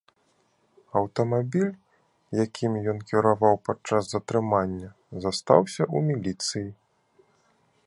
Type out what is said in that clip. Аўтамабіль, якім ён кіраваў падчас затрымання, застаўся ў міліцыі.